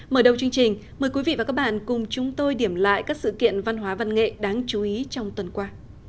mở đầu chương trình mời quý vị và các bạn cùng chúng tôi điểm lại các sự kiện văn hóa văn nghệ đáng chú ý trong tuần qua